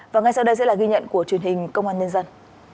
và ngay sau đây sẽ là ghi nhận của truyền hình công an nhân dân